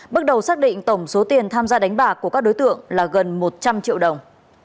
bước đầu xác định tổng số tiền tham gia đánh bạc của các đối tượng là gần một trăm linh triệu đồng